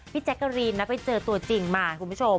แจ๊กกะรีนนะไปเจอตัวจริงมาคุณผู้ชม